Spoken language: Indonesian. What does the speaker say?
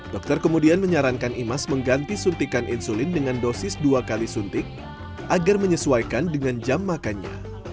dokter kemudian menyarankan imas mengganti suntikan insulin dengan dosis dua kali suntik agar menyesuaikan dengan jam makannya